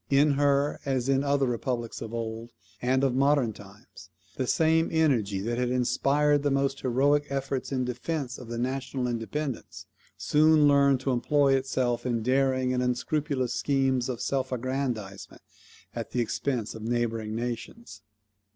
In her, as in other republics of old and of modern times, the same energy that had inspired the most heroic efforts in defence of the national independence, soon learned to employ itself in daring and unscrupulous schemes of self aggrandizement at the expense of neighbouring nations.